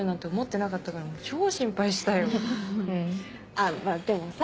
あっまぁでもさ